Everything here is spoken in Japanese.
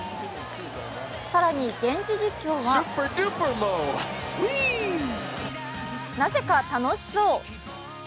更に現地実況はなぜか、楽しそう。